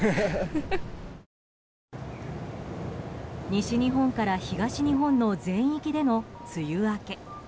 西日本から東日本の全域での梅雨明け。